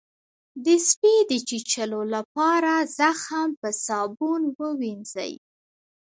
د سپي د چیچلو لپاره زخم په صابون ووینځئ